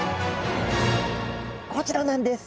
こちらなんです！